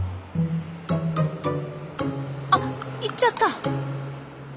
あ行っちゃった。